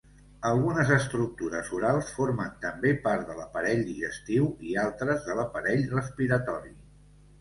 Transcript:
Algunes estructures orals formen també part de l'aparell digestiu i altres de l'aparell respiratori.